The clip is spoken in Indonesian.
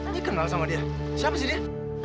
tadi kenal sama dia siapa sih dia